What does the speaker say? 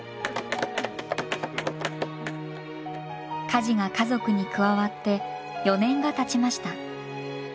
カジが家族に加わって４年がたちました。